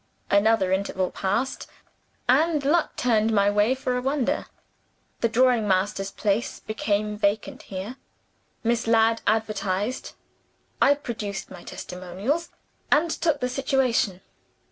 Another interval passed; and luck turned my way, for a wonder. The drawing master's place became vacant here. Miss Ladd advertised; I produced my testimonials; and took the situation.